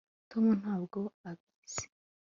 tom ntabwo abizi